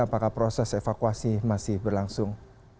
apakah proses evakuasi masih berlangsung